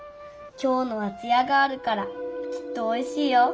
きょうのはつやがあるからきっとおいしいよ。